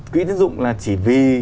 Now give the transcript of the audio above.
quỹ tiến dụng là chỉ vì